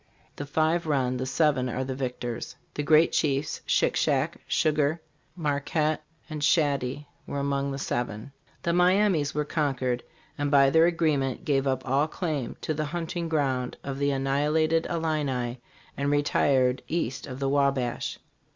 The five run, the seven are the victors. The great chiefs, Shick Shack, Sugar, Mar quett and Shaty were among the seven. The Miamis wtre conquered ; and STARVED ROCK : A HISTORICAL SKETCH. by their agreement gave up all claim to the hunting ground of the annihilat ed Illini and retired east of the Wabash.